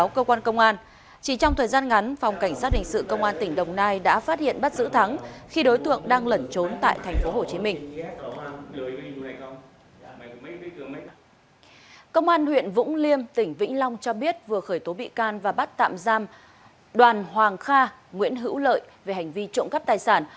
công an huyện vũng liêm tỉnh vĩnh long cho biết vừa khởi tố bị can và bắt tạm giam đoàn hoàng kha nguyễn hữu lợi về hành vi trộm cắp tài sản